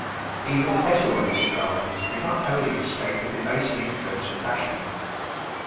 ] Even the better ways of gardening do not wholly escape the debasing influence of fashion.